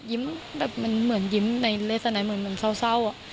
ยิ้มแบบมันเหมือนยิ้มในเลสนัยเหมือนเหมือนเศร้าเศร้าอ่ะ